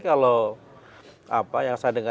kalau apa yang saya dengar